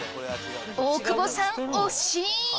大久保さん惜しい！